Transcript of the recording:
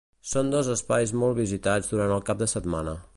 Són dos espais molt visitats durant el cap de setmana.